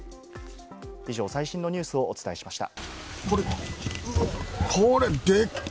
以上、最新のニュースをお伝えしました。